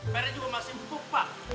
merahnya juga masih mumpuk pak